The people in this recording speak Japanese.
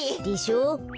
でしょ？